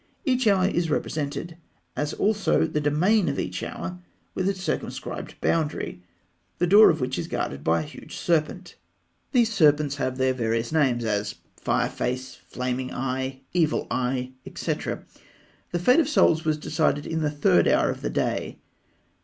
Each hour is represented, as also the domain of each hour with its circumscribed boundary, the door of which is guarded by a huge serpent. These serpents have their various names, as "Fire Face," "Flaming Eye," "Evil Eye," etc. The fate of Souls was decided in the third hour of the day.